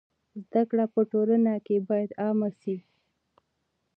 زده کړه په ټولنه کي بايد عامه سي.